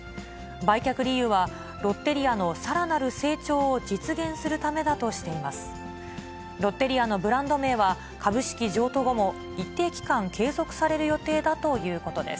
売却理由は、ロッテリアのさらなる成長を実現するためだとしています。